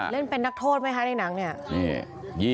เล่นเป็นนักโทษไหมคะในหนังเนี่ย